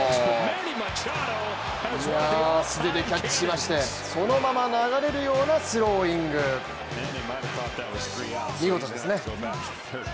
いや、素手でキャッチしましてそのまま流れるようなスローイング、見事ですね。